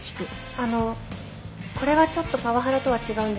あのこれはちょっとパワハラとは違うんですが。